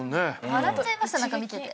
笑っちゃいました何か見てて。